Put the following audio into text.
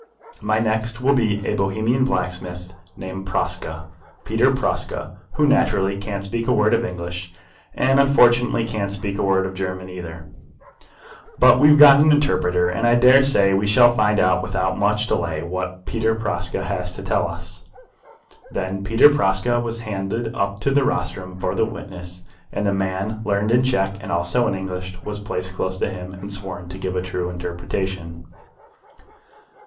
My next will be a Bohemian blacksmith named Praska, Peter Praska, who naturally can't speak a word of English, and unfortunately can't speak a word of German either. But we have got an interpreter, and I daresay we shall find out without much delay what Peter Praska has to tell us." Then Peter Praska was handed up to the rostrum for the witnesses, and the man learned in Czech and also in English was placed close to him, and sworn to give a true interpretation.